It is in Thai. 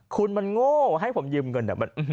คุณมันโง่ให้ผมยืมเงิน